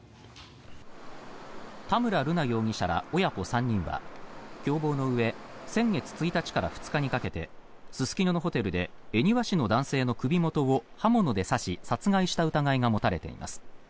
田村瑠奈容疑者ら親子３人は共謀のうえ先月１日から２日にかけてすすきののホテルで恵庭市の男性の首元を刃物で刺し殺害した疑いが持たれています。